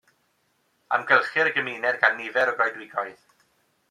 Amgylchir y gymuned gan nifer o goedwigoedd.